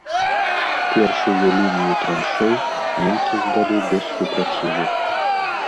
Першую лінію траншэй немцы здалі без супраціву.